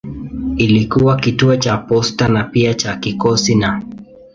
Ilikuwa kituo cha posta na pia cha kikosi na.